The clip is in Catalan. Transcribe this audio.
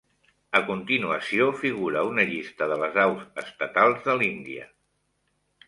A continuació figura una llista de les aus estatals de l'Índia.